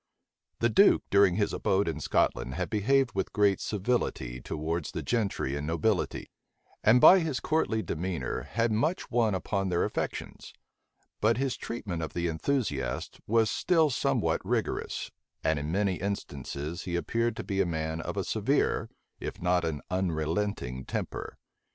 The duke, during his abode in Scotland, had behaved with great civility towards the gentry and nobility; and by his courtly demeanor had much won upon their affections: but his treatment of the enthusiasts was still somewhat rigorous; and in many instances he appeared to be a man of a severe, if not an unrelenting temper.